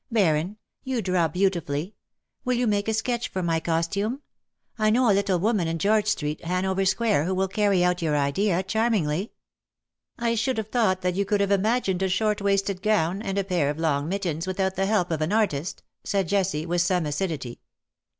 Baron, you draw beauti 197 fully. Will you make a sketch for my costume ? I know a little woman in George Street, Hanover Square, who will carry out your idea charmingly/' " I should have thought that you could have imagined a short waisted gown and a pair of long mittens without the help of an artist/' said Jessie, with some acidity.